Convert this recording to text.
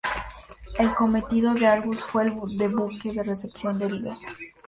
El cometido del "Argus" fue el de buque de recepción de heridos.